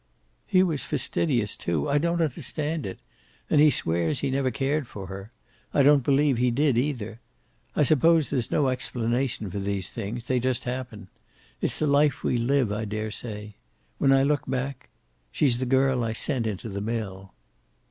"He was fastidious, too. I don't understand it. And he swears he never cared for her. I don't believe he did, either. I suppose there's no explanation for these things. They just happen. It's the life we live, I dare say. When I look back She's the girl I sent into the mill."